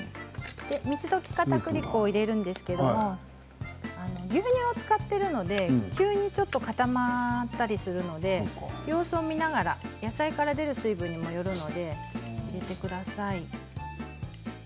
水溶きかたくり粉をかけるんですが牛乳を使っているので急に固まったりするので様子を見ながら野菜から出る水分にもよるので様子を見ながら入れてください。